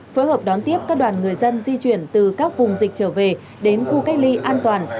phối hợp đón tiếp các đoàn người dân di chuyển từ các vùng dịch trở về đến khu cách ly an toàn